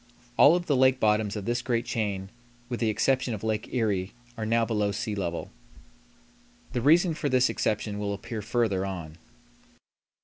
All of the lake bottoms of this great chain, with the exception of Lake Erie, are now below sea level. The reason for this exception will appear further on.